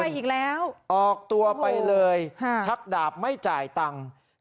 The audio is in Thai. นี่คุณออกตัวไปเลยชักดาบไม่จ่ายตังค์อ้อไปอีกแล้ว